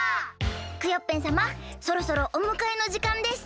クヨッペンさまそろそろおむかえのじかんです。